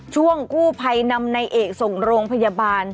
ช่วงกู้ภัยนำในเอกส่งโรงพยาบาล